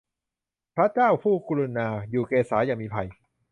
พระเจ้าผู้กรุณา อยู่เกศาอย่ามีภัย